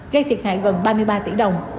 gây thiệt hại gần ba mươi ba tỷ đồng